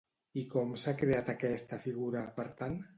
I com s'ha creat aquesta figura, per tant?